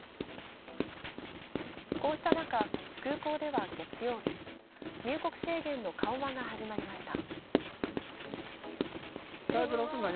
こうした中、空港では月曜日、入国制限の緩和が始まりました。